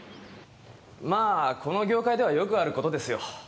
まあこの業界ではよくある事ですよ。